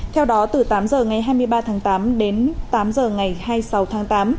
theo đó từ tám h ngày hai mươi ba tháng tám đến tám h ngày hai mươi sáu tháng tám